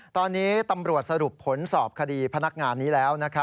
ตอนนี้ตำรวจสรุปผลสอบคดีพนักงานนี้แล้ว